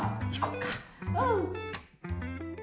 うん！